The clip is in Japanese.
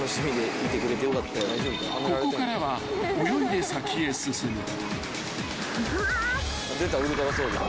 ［ここからは泳いで先へ進む］いきます。